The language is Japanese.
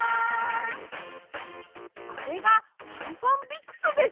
これが「ファンファンビクス」です。